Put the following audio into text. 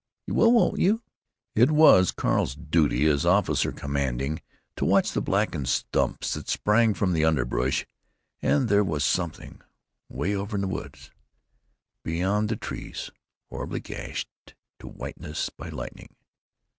You will, won't you?" It was Carl's duty, as officer commanding, to watch the blackened stumps that sprang from the underbrush. And there was Something, 'way over in the woods, beyond the trees horribly gashed to whiteness by lightning.